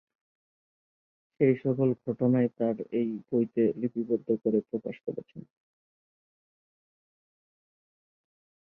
সেই সকল ঘটনাই তার এই বইতে লিপিবদ্ধ করে প্রকাশ করেছেন।